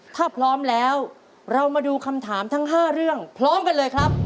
ถ้าพร้อมแล้วเรามาดูคำถามทั้ง๕เรื่องพร้อมกันเลยครับ